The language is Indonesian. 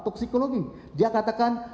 toksikologi dia katakan